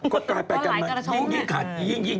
ก็ตายไปกันมาเพราะว่าหลายกระทรงเนี่ย